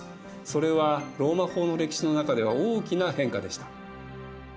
それはローマ法の歴史の中では大きな変化でした。